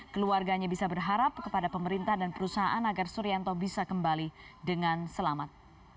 keluarganya bisa berharap kepada pemerintah dan perusahaan agar suryanto bisa kembali dengan selamat